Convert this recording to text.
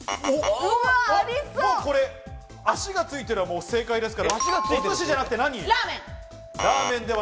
もうこれ、足がついてるの正解ですから、お寿司じゃなくて何？